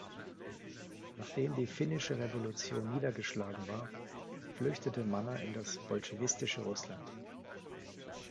Nachdem die Finnische Revolution niedergeschlagen war, flüchtete Manner in das bolschewistische Russland.